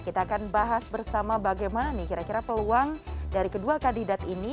kita akan bahas bersama bagaimana nih kira kira peluang dari kedua kandidat ini